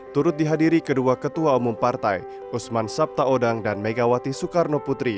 turut dihadiri kedua ketua umum partai usman sabtaodang dan megawati soekarno putri